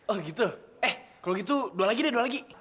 oh gitu eh kalau gitu dua lagi deh dua lagi